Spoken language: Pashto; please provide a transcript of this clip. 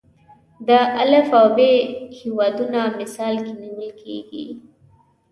د الف او ب هیوادونه مثال کې نیول کېږي.